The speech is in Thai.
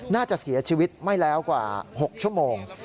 น่าจะเสียชีวิตไม่แล้วกว่า๖ชั่วโมง